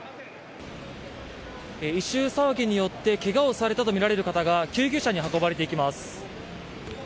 異臭騒ぎによってけがをされたとみられる方が救急車に運ばれていきます。